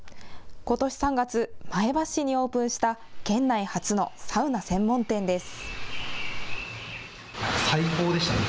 ことし３月、前橋市にオープンした県内初のサウナ専門店です。